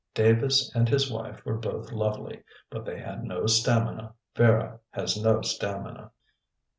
Davis and his wife were both lovely; but they had no stamina. Vera has no stamina."